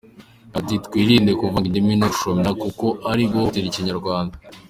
Yagize ati “ Twirinde kuvanga indimi no gushyoma, kuko ari uguhohotera Ikinyarwanda.